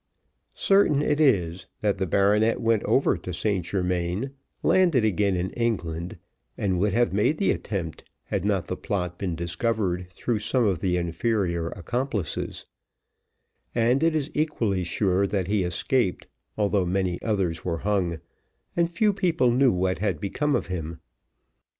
Certain it is, that the baronet went over to St Germains, landed again in England, and would have made the attempt, had not the plot been discovered through some of the inferior accomplices; and it is equally sure that he escaped, although many others were hung and few people knew what had become of him.